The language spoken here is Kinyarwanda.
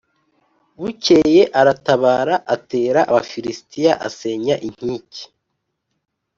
Bukeye aratabara atera abafilisitiya asenya inkike